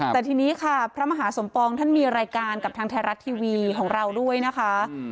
แต่ทีนี้ค่ะพระมหาสมปองท่านมีรายการกับทางไทยรัฐทีวีของเราด้วยนะคะ